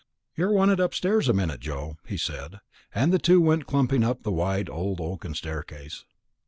"You're wanted upstairs a minute, Joe," he said; and the two went clumping up the wide old oaken staircase.